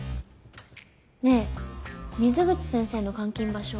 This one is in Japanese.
ねえ水口先生の監禁場所